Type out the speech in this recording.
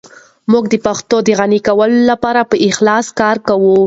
موږ د پښتو د غني کولو لپاره په اخلاص کار کوو.